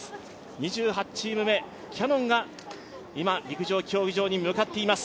２８チーム目、キヤノンが今、陸上競技場に向かっています。